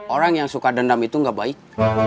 orang yang suka dendam itu gak baik